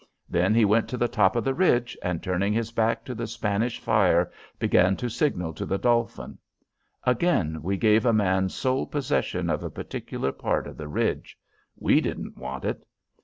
Then he went to the top of the ridge, and turning his back to the Spanish fire, began to signal to the Dolphin. Again we gave a man sole possession of a particular part of the ridge. We didn't want it.